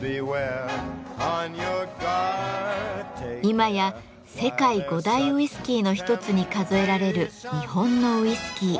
今や世界５大ウイスキーの一つに数えられる日本のウイスキー。